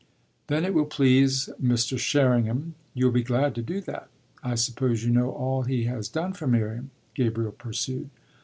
"Then it will please Mr. Sherringham you'll be glad to do that. I suppose you know all he has done for Miriam?" Gabriel pursued.